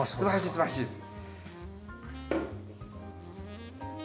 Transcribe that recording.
すばらしいです。